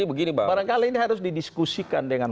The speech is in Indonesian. barangkali ini harus didiskusikan dengan